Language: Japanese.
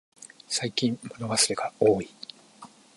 最近忘れ物がおおい。